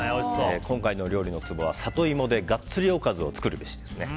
今回のお料理のツボはサトイモでガッツリおかずを作るべしです。